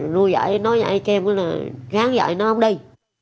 rồi nói vậy nói vậy khen với là gắn vậy nó không đi